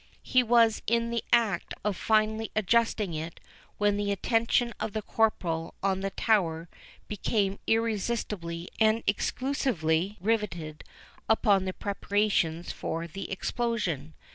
He was in the act of finally adjusting it, when the attention of the corporal on the tower became irresistibly and exclusively riveted upon the preparations for the explosion.